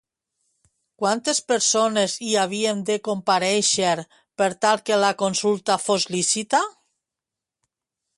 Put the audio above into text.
Quantes persones hi havien de comparèixer, per tal que la consulta fos lícita?